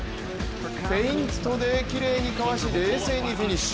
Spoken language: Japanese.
フェイントできれいにかわし、冷静にフィニッシュ。